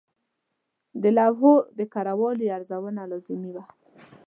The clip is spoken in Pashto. د لوحو د کره والي ارزونه لازمي وه.